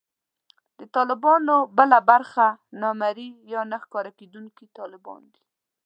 د طالبانو بله برخه نامرئي یا نه ښکارېدونکي طالبان دي